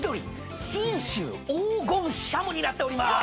信州黄金シャモになっております。